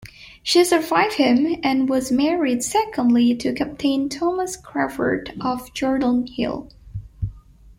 She survived him, and was married, secondly, to Captain Thomas Crawfurd of Jordanhill.